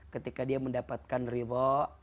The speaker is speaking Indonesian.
ketika dia mendapatkan riba